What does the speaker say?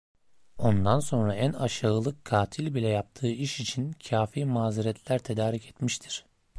Ondan sonra en aşağılık katil bile yaptığı iş için kafi mazeretler tedarik etmiştir.